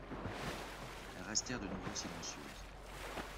Elles restèrent de nouveau silencieuses.